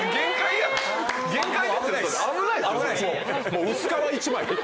もう薄皮一枚！